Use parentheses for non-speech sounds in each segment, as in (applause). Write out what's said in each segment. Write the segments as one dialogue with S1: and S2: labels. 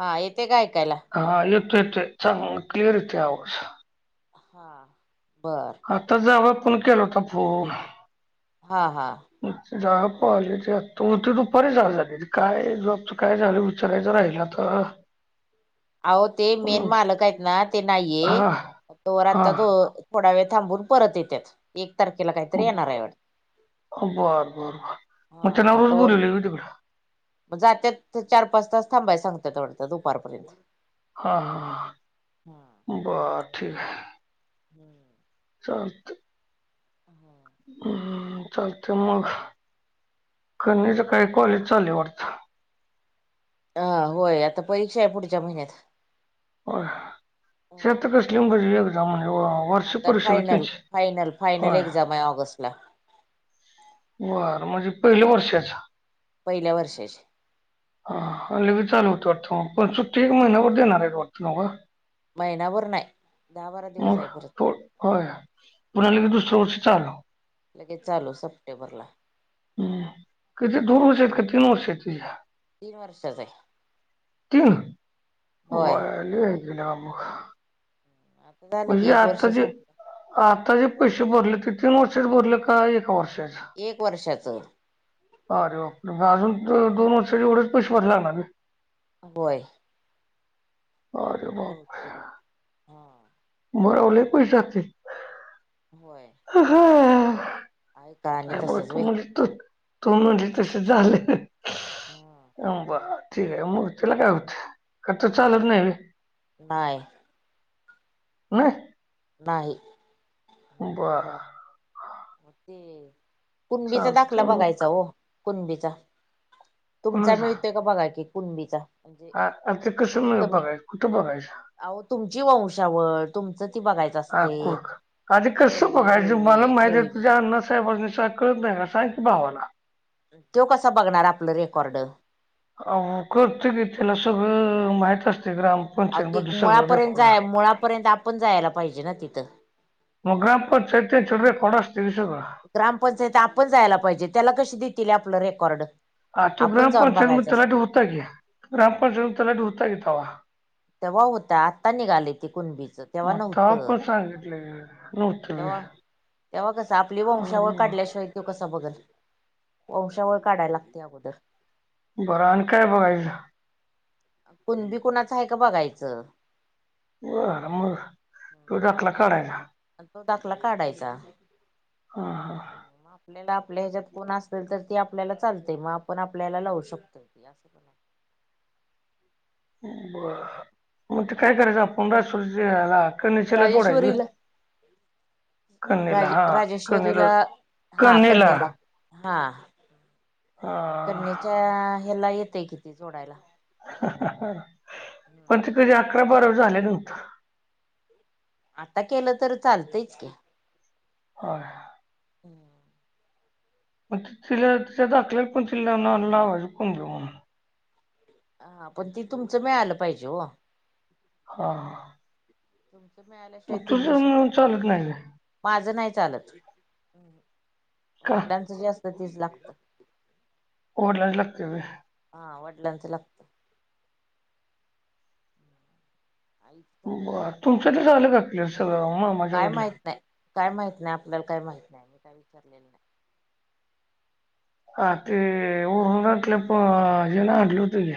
S1: हा येते का ऐकायला.
S2: हा येतोय येतोय चांग क्लिअर येतोय आवाज.
S1: हा बरं.
S2: आता जावं पण केला होता फोन.
S1: हा हा.
S2: (unintelligible) पाले ते आत्ता बोलते दुपारी जाया लागेल काय जॉबचा काय झालं हो सगळ्याचा राहिलं तर
S1: अहो ते मेन मालक आहेत ना ते नाहीये
S2: हा
S1: तो रा
S2: हा
S1: आता दो थोडा वेळ थांबून परत येत्यात, एक तारखेला काहीतरी येणार आहे वाट
S2: बर बर बर मग त्यांना पण बोलाविले म तिकडं.
S1: मग जात्यात ते चार-पाच तास थांबाय सांगतात तेवढा तर दुपारपर्यंत.
S2: हा हा.
S1: हां.
S2: बर ठीक आहे.
S1: (unintelligible)
S2: चालतं.
S1: आ हा.
S2: उम्म हम्म चालते मग कन्याचे काही कॉलेज चाललय वाटतं.
S1: हा होय आता परीक्षा आहे पुढच्या महिन्यात.
S2: होय (unintelligible) कसली (unintelligible) एक्झाम म्हणे ओ
S1: आता फायनल फायनल फायनल
S2: होय
S1: एक्झाम आहे ऑगस्ट ला.
S2: बरं म्हणजे पहिल्या वर्षाचा.
S1: पहिल्या वर्षाचे.
S2: हा हा लगेच चालू होतं वाटथाम पण सुट्टी एक महिन्यावर देणार आहे वाटतं ना वय.
S1: महिनाभर नाय दहा बारा दिवस
S2: मग
S1: आहे परत.
S2: थो होय. पुन्हा
S1: हा
S2: लगेच दुसरं वर्ष चालू.
S1: लगेच चालू सप्टेंबर ला.
S2: हम्म किती दोन वर्ष आहेत का तीन वर्षाची?
S1: तीन वर्षा.
S2: तीन
S1: होय
S2: वय लय आहे की ना मग.
S1: आता झालं की
S2: म्हणजे
S1: एक वर्ष
S2: आता जे
S1: संपलं
S2: आता जे पैशे भरले ते तीन वर्षाचे भरले का एक वर्षाचं?
S1: एक वर्षाचं.
S2: अरे बापरे! म अजून दो दोन वर्षाचे एवढे पैसे भरणार ना बी.
S1: होय.
S2: अरे बाप
S1: बहुतेक हा
S2: म व लय पैशे लागतील.
S1: होय.
S2: हा हा
S1: आहे का आणि
S2: काय बघा
S1: तसच व्हय
S2: तुम्हाली तर तुम्हाली तसंच झालंय अम बर. ठीक आहे मग त्याला काय होत खर्च चालत नाय वे.
S1: नाही
S2: नाय
S1: नाही
S2: बरं.
S1: होते कुणबीचा दाखला
S2: चालतंय मग
S1: बघायचा हो कुणबीचा. तुमचा
S2: कुणाचा
S1: मिळतोय का बघा की कुंणबीचा.
S2: आ आता कसं मी बघायचं कुठं बघायचं?
S1: अहो तुमची वंशावळ तुमचं ती बघाय
S2: हा कुख आ ते कसं बघायचं
S1: बिळवी
S2: मला माहि काय ते तुझ्या
S1: हेळवी
S2: अण्णासाहेबांना शा कळत नाही का सांग की भावाला.
S1: तो कसा बगणार आपलं रेकॉर्ड?
S2: अं करतंय की, त्याला
S1: आ
S2: सगळं माहित असते ग्रामपंचायती मधलं सगळं रेकॉर्ड.
S1: त मुळापर्यंत आप पण जायला पाहिजे ना तिथं?
S2: मग ग्रामपंचायतेचं रेकॉर्ड असते की सगळं.
S1: ग्रामपंचायत आपण जायला पाहिजे, त्याला कशी देतील आपलं रेकॉर्ड?
S2: आ तो
S1: आपण
S2: ग्राम
S1: जाऊन
S2: पंचायत मदे
S1: बघायचं असतं
S2: तलाठी होता की, ग्राम पंचायत मदे तलाठी होता की तवा.
S1: तेव्हा होता. आत्ता निघाले ते कुणबीचं, तेव्हा नव्ह
S2: आओ पन संगिटलेलं. नव्हतं. मी
S1: तेव्हा, तेव्हा कसं आपली
S2: हा
S1: वंशावळ काढल्याशिवाय तो कसा बगल? वंशावळ काढायला लागते अगोदर.
S2: बर आण काय बायल?
S1: कुणबी कुणाचं हाय का बघायचं.
S2: बर म तो जतला
S1: आणि अस
S2: करायला.
S1: तो दाखला काढायचा.
S2: हा हा.
S1: मग आपल्याला आपल्या ह्याच्यात कोण असेल तर ते आपल्याला चालते, म आपण आपल्याला लावू शकतोय. हे असं काना
S2: ब्बर, मग ते काय करायचं? आप्पान क्काय सोलश याला कनेक्शनला जोडायचं कणेला
S1: राजे
S2: हा कणेला
S1: राजेश्वरीला, हा,
S2: कणेला
S1: कडनेला हाआ
S2: हा
S1: करणीच्याआ ह्याल्ला येतंय की ते जोडायला.
S2: हाहाहा पण ते कधी अकरा बारव झालं नव्हतं.
S1: आता केलंय तर चालतंयच की.
S2: होय.
S1: हां
S2: म तिला तिच्या दाखल्यावर पन तिला लान लावायचा, पंद्रा म्हणून.
S1: आ पण ते तुमचं मिळालं पाहिजे ओ.
S2: होओ.
S1: तुमचं मिळाल्या शिवाय ते होऊ शकत
S2: म्हणून
S1: नाही.
S2: चालत व्हय.
S1: माजं नाई चालत,
S2: का
S1: वडलांचं जे असतं तेच लागतं.
S2: ओलाय लागतंय व्हय?
S1: हा वडलांचं लागतं. आईच चालत
S2: बर,
S1: नाही
S2: तुमचं त झालं का क्लिअर सगळं? मम
S1: काय म्हैत नाई काय म्हैत नाई, आपल्याला काय म्हैत नायी. मी काय विचारलेलं नायी.
S2: आ ते, ओरूनटलं प हे लागलंवतं की.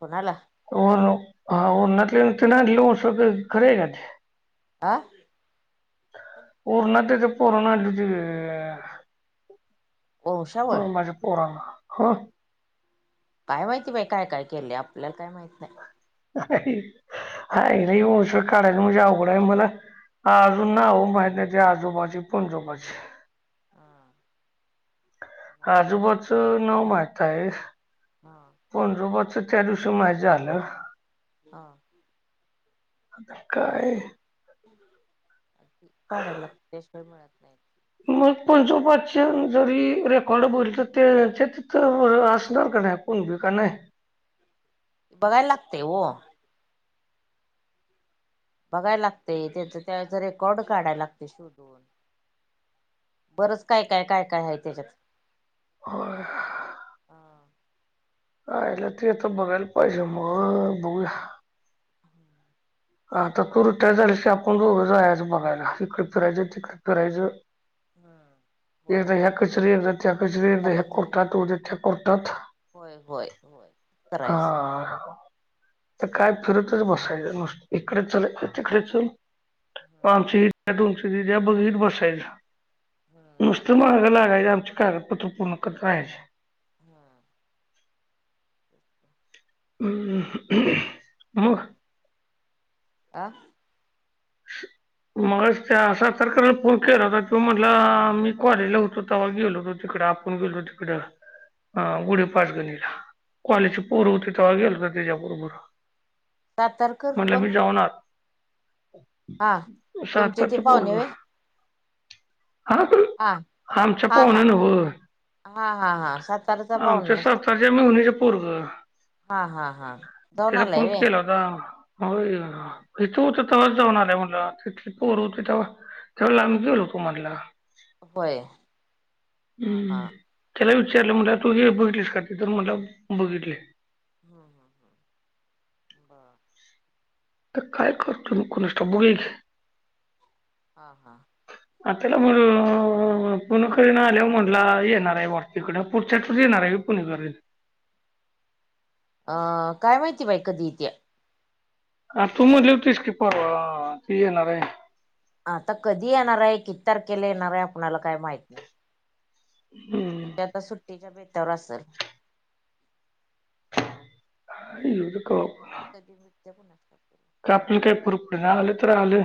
S1: बघाला?
S2: ओनो, हा ओनाटले ते ना लाव उसासे खरेय का ते?
S1: आं?
S2: ओरणाते ते पोराने आणलेते तेए?
S1: वंशावळ
S2: म माझ्या पोरानं, हो?
S1: काय माहिती बाई काय काय केल्लेलंय? आपल्याला काय माहीत नाही.
S2: आह्हीही हाए, लई वशावळ काढाय म्हंजे लई अवघडाय मला. हा आजून हो माहित नाही ते आजोबाची, पणजोबाची.
S1: (unintelligible)
S2: आजोबाचं नाव माहित हाय.
S1: हां
S2: पणजोबाचं त्या दिवशी माहित झालं.
S1: हा
S2: आता काय,
S1: काढाय लाग त्याशिवाय मिळत नाही.
S2: मग पजोबाच्या जरी रेकॉर्ड बोलत्यात ते तर त्याच्या तिथं असणार का नाही? पणजं का नाही
S1: बघाय लागतंय हो. बघाय लागतंय, त्येचं त्याचा रेकॉर्ड काढाय लागतय शोधून. बरंच काय, काय, काय, काय हाय तेच्यात,
S2: व्हय.
S1: हां
S2: आयला ते तर बघायला पाहिजे मग, बघूया.
S1: हम्म
S2: आ तुरट्या झाल्याशी आपण दोघं जायाचं बघायला, इकडे फिरायचं, तिकडं फिरायचं.
S1: होय
S2: एकदा ह्या कचेरीत, एकदा त्या कचेरीत,
S1: त्या
S2: एकदा ह्या
S1: कचेरीत
S2: खोकटात, उद्या त्या खोकटात,
S1: होय होय होय करायच.
S2: हां.. तर काय फिरतच बसायच नुसतं इकडे चल, तिकडं चल आमची हीट, तुमचीट या बघीत बसायच. नुसतं मागं लागायचं आमची कागदपत्र पूर्ण करत राहायची.
S1: हा
S2: (unintelligible) मग
S1: आं
S2: (unintelligible) मगाशी त्या सातारकरला फोन केला होता, त्यो म्हणला मी कॉलेजला होतो तेव्हा गेलो होतो तिकडं, आप ण गेलो तिकडं. हा गुढे पाचगणीला कॉलेजची पोरं होते तेव्हा गेलतो तेजाबरोबर.
S1: सातारकर कोण?
S2: आत
S1: हा तुमचे ते
S2: सातारचं
S1: पाहुणे
S2: पोरगं.
S1: व्हय
S2: हा
S1: हा
S2: आमच्या
S1: हा हा
S2: पावना नव्हं,
S1: हा हा हा सातारचा
S2: आमच्या
S1: पाहुणा
S2: सा तारच्या
S1: सातारचा
S2: मेव्हणीचं पोरगं.
S1: हा हा हा जाऊन
S2: तिला
S1: आलाय
S2: फोन
S1: व्हय
S2: केला होता हो.
S1: हा
S2: इथं होती तेव्हाच जाऊन आलोय म्हणला, तिथली पोर होती तेव्हा त्यावेळेला आम्ही गेलोतो म्हणला.
S1: व्हय.
S2: हं.., त्याला विचारलं म्हणला तू हे बघितलीस का? ते तर म्हणला बघितलंय.
S1: (unintelligible)
S2: आता काय करतो कुणास ठाऊक, बघुया की,
S1: हा, हा
S2: आ त्याला म पुणकरीन आल्यावर म्हंटला येणार आहे, वा इकडं पुढच्या आठवड्यातच येणार हाय व्हय पुणेकरीनं?
S1: अ काय माहिती बाई कधी ईत्या?
S2: ह तू म्हणली होतीस की, परवा ती येणार आहे.
S1: आता कधी येणार आहे, किती तारखेला येणार आहे, आपणाला काय माहित नाही.
S2: हम्म
S1: आता सुट्टीच्या बेता्यावर असेल.
S2: (unintelligible)
S1: ते कधी नृत्य पण असत.
S2: का आपलं काय पुरप नाही, आलं तर आलं.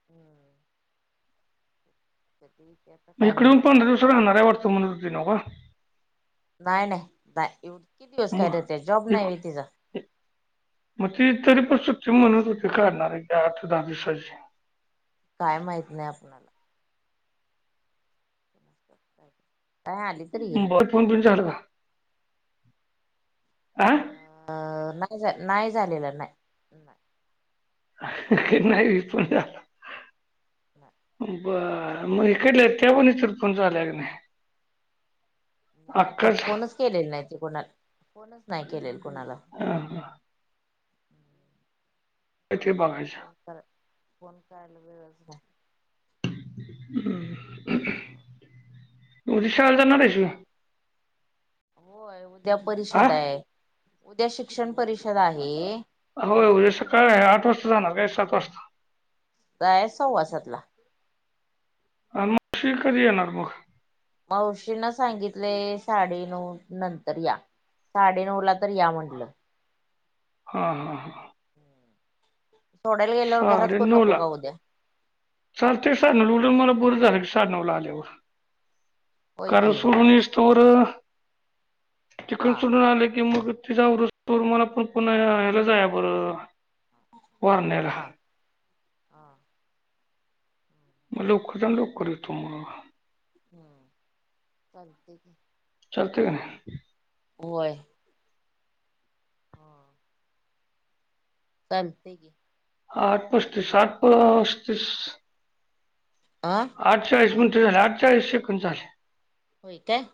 S1: हम्म अच्छ ठीक आहे,
S2: ग इकड येऊन पंधरा दिवस राहणार आहे वाटतो. मनती नवका.
S1: नाही, नाही, नाही, एव कती दिवस कायरते. जॉब
S2: मग
S1: नाही
S2: इक-
S1: आहे तिचां.
S2: मग ती तरी पण सुट्ट म्हणत होते काढणार आहे. की आठ दहा दिवसाची
S1: माहीत नाही, आपला ह आली तर येईल.
S2: बर फोन पण चाल का, आ?
S1: अ नाही, नाही झालेलं नाही. नाही.
S2: नाही, प (inaudible) ण झाला.
S1: नाही
S2: बर, मग इकडल्या त् (inaudible) या पतर पण (inaudible) चाल्या क नाही.
S1: नाही, आता
S2: अक्काच
S1: फोनच केलेले नाही. ते कोणा फोनच नाही केलेल कोणाला.
S2: हा. अ (unintelligible) थे (unintelligible) पाघयच्या
S1: फोन फोन करायला वेळच नाही.
S2: हम.
S1: हा त्यामुळे
S2: जाणार
S1: प
S2: आहेस की?
S1: (unintelligible) होय हो उद्या
S2: हा
S1: परिषद हाय. उद्या शिक्षण परिषद आहे.
S2: होय. उद्या सकाळी आठ वाजता जाणार का? सात वाजता?
S1: जायायचं सव्वासातला.
S2: अन मग (unintelligible) येनार मग
S1: मावशींना सांगितले साडेनऊ नंतर या. साडे नऊ ला तर या म्हटलं.
S2: हा हा हा.
S1: सोडायला गेल्यावर घरात कोण नको का उद्या?
S2: चालतंय सांनव ल उडून मला बरं झालं की मला साडेनऊ ला आल्यावर,
S1: होय
S2: कारण
S1: की
S2: सोडून तंवर
S1: हा
S2: तिकून सडून आले की मग तिज् तू मला पण पुन्हा मला हला जायाय बर, बरं वारण्याला.
S1: हा हा
S2: मग लवकरच लवकर येतो मग.
S1: हम्म. चालतंय की.
S2: चलते का नाई?
S1: होय हा. चालते की.
S2: आठ पस्तीस, साठ पस्तीस.
S1: आ?
S2: अठचाळीस म्हणतोय झाल्यात. अठचाळीसशे सेकंड झाल्यात.
S1: होय काय?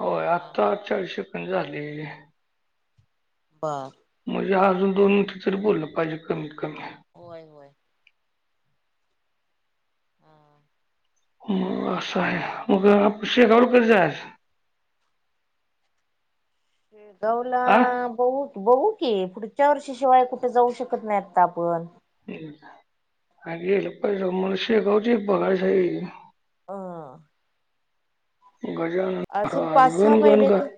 S2: होय,
S1: हा हा
S2: आत्ता चाळीस सेकंड झाले.
S1: बा..
S2: म्हणजे... अजून मिनट तरी पाहिजे, कमीत -कमी.
S1: होय... होय... हा
S2: असं आहे. मग (inaudible) आप शेखावरड (inaudible) क जा आहे
S1: दौ..
S2: आ
S1: लांब बउ... बहू की... पुढच्या वर्षी शिवाय कुठ जाऊ शकत नाही आता आपण.
S2: अग... पहिला माऊ शेगावच म्हण श (inaudible)
S1: अ....
S2: गजानन
S1: अजून
S2: (inaudible)
S1: पाच सहा
S2: गण... गण...
S1: महिने तर
S2: गण...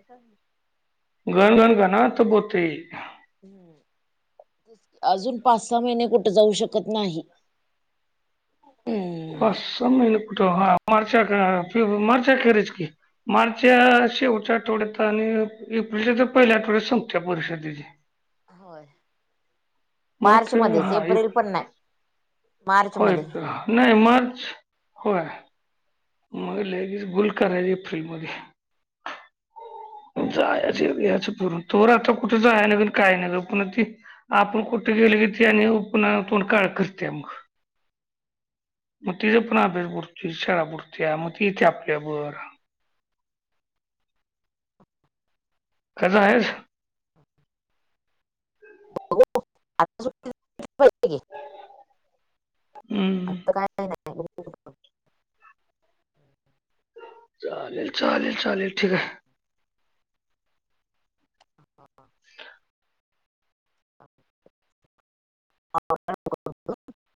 S2: गण... गण.. गणात गोते.
S1: ह्म्म्म.... अजून पाच- सहा महिने कुठे शकत नाही. हम्म....
S2: पाच -सहा महिने कुठ.. हा.. मार्च अखेर फेब्रुवारी मार्च अखेरीच की. मार्चच्या.. शेवटच्या आठवड्यात आणि एप्रिलच्या तर पहिल्या आठवड्यात संपतय परिषा त्याची.
S1: होय,
S2: मला
S1: मार्च
S2: वाटतं
S1: मध्येच
S2: हा
S1: एप्रिल
S2: एप-
S1: पण नाही. मार्च
S2: होय...
S1: मध्ये
S2: का नई मार्च... होय, मग लई दिस गुल करायली फ्रि मध्ये. जायाच बी याच फिरून, तोवर आता कुठ जाया नगत आणि काय नग पुन्हा ती आपण कुठ गेले की ती आणि पुन्हा तोंड काळ करत्या मगं. मग तिचा पण अभ्यास बुडतोय, शाळा बुडतीया, मग ती येते आपल्याबर. कसा आहेस?
S1: बघू आता झोपेतून उठलो की.
S2: हम्म
S1: आता काही नय. हो (inaudible)
S2: चालेल.. चालेल.. चालेल ठीकय. ह (inaudible)
S1: ह (unintelligible)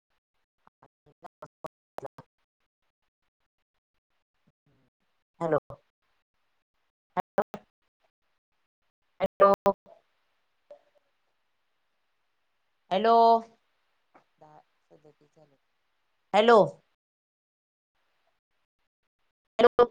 S1: hello! Hello! Hello!... hello! Hello!